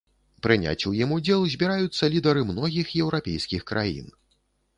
Прыняць у ім удзел збіраюцца лідары многіх еўрапейскіх краін.